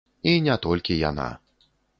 І не толькі яна.